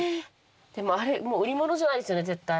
でもあれ売り物じゃないですよね絶対。